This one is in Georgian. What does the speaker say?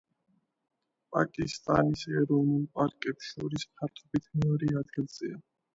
პაკისტანის ეროვნულ პარკებს შორის ფართობით მეორე ადგილზეა.